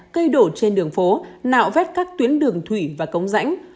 cây đổ trên đường phố nạo vét các tuyến đường thủy và cống rãnh